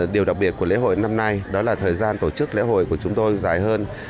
điều đặc biệt của lễ hội năm nay đó là thời gian tổ chức lễ hội của chúng tôi dài hơn